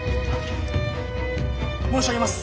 申し上げます。